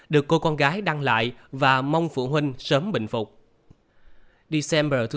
được cô con gái đăng lại và mong phụ huynh sớm bình phục